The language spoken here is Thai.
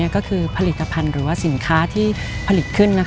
ก็คือผลิตภัณฑ์หรือว่าสินค้าที่ผลิตขึ้น